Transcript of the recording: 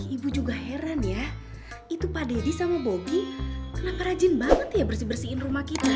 ibu juga heran ya itu pak deddy sama bobi kenapa rajin banget ya bersih bersihin rumah kita